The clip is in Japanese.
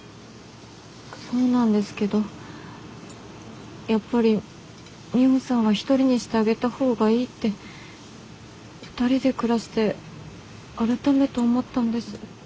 そうなんですけどやっぱりミホさんは一人にしてあげた方がいいって２人で暮らして改めて思ったんです。